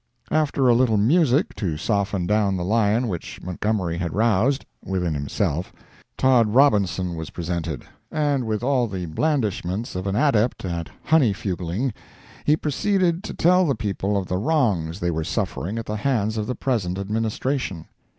After a little music to soften down the lion which Montgomery had roused, (within himself,) Tod Robinson was presented, and with all the blandishments of an adept at honey fugling, he proceeded to tell the people of the wrongs they were suffering at the hands of the present Administration.